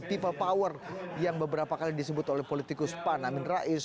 people power yang beberapa kali disebut oleh politikus pan amin rais